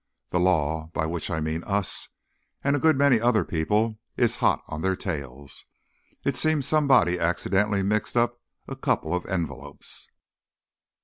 The law—by which I mean us, and a good many other people—is hot on their tails. It seems somebody accidentally mixed up a couple of envelopes."